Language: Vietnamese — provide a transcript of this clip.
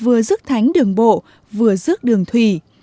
vừa dứt thánh đường bộ vừa dứt đường thủy